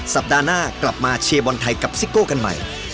สัปดาห์หน้ากลับมาเชียร์บอลไทยกับซิโก้กันใหม่